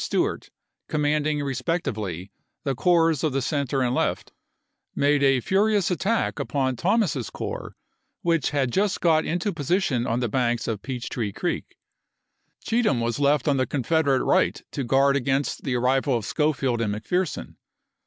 Stewart, commanding respectively the corps of 1864 the center and left, made a furious attack upon Thomas's corps which had just got into position on the banks of Peach Tree Creek. Cheatham was left on the Confederate right to guard against the arrival of Schofield and McPherson.